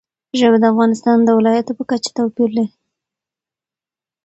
ژبې د افغانستان د ولایاتو په کچه توپیر لري.